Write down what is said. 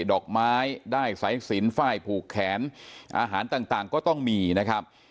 ดอกไม้ได้สายสินฝ้ายผูกแขนอาหารต่างก็ต้องมีนะครับ